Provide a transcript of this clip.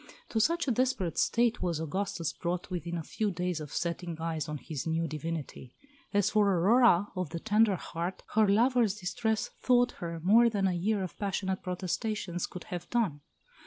To such a desperate state was Augustus brought within a few days of setting eyes on his new divinity! As for Aurora of the tender heart, her lover's distress thawed her more than a year of passionate protestations could have done.